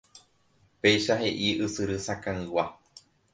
Péicha he'i Ysyry Sakãygua.